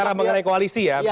bicara mengenai koalisi ya